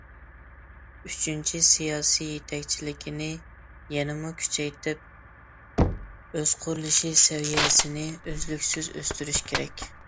ئۈچىنچى، سىياسىي يېتەكچىلىكنى يەنىمۇ كۈچەيتىپ، ئۆز قۇرۇلۇشى سەۋىيەسىنى ئۈزلۈكسىز ئۆستۈرۈش كېرەك.